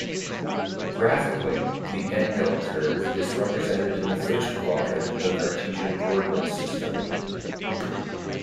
Graphically, the Engel curve is represented in the first-quadrant of the Cartesian coordinate system.